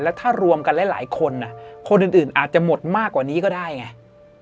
ถ้ารวมกันหลายคนคนอื่นอาจจะหมดมากกว่านี้ก็ได้ไง